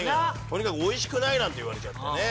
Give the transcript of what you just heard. とにかく「おいしくない」なんて言われちゃってね。